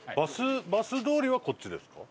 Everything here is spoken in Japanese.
バス通りはこっちですか？